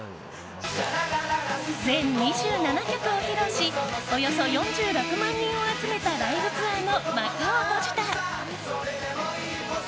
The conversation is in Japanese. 全２７曲を披露しおよそ４６万人を集めたライブツアーの幕を閉じた。